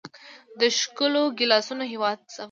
د ښکلو ګیلاسونو هیواد افغانستان.